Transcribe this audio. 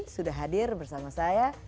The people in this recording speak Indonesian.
sudah hadir bersama saya